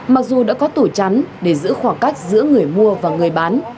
mặc dù đã có tủ chắn để giữ khoảng cách giữa người mua và người bán